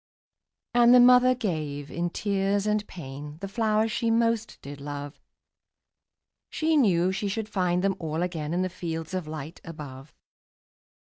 '' And the mother gave, in tears and pain, The flowers she most did love; She knew she should find them all again In the fields of light above.